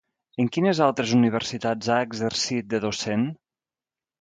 En quines altres universitats ha exercit de docent?